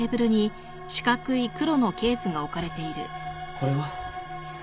これは？